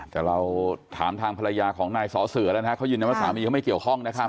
แต่เราถามทางภรรยาของนายสอเสือแล้วนะครับเขายืนยันว่าสามีเขาไม่เกี่ยวข้องนะครับ